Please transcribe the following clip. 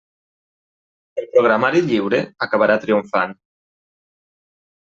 El programari lliure acabarà triomfant.